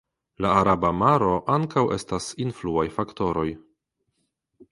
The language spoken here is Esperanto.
La Araba Maro ankaŭ estas influaj faktoroj.